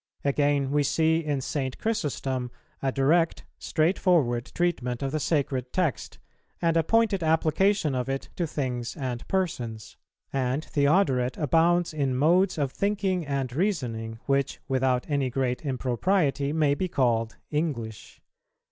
Again, we see in St. Chrysostom a direct, straightforward treatment of the sacred text, and a pointed application of it to things and persons; and Theodoret abounds in modes of thinking and reasoning which without any great impropriety may be called English.